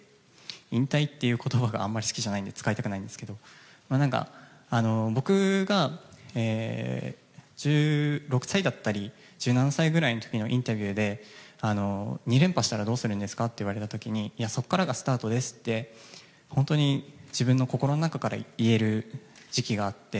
引退という言葉があまり好きじゃないので使いたくはないんですが僕が１６歳だったり１７歳ぐらいだった時のインタビューで２連覇したらどうするんですかって言われた時にそこからがスタートですって自分の心の中から言える時期があって。